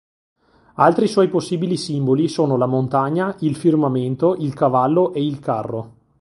Altri suoi possibili simboli sono la montagna, il firmamento, il cavallo e il carro.